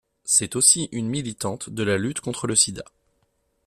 C'est aussi une militante de la lutte contre le sida.